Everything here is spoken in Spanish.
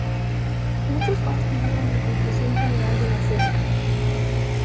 Muchos fans pidieron la conclusión general de la serie.